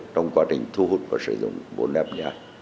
trong quá trình thu hút và sử dụng bốn nếp nhà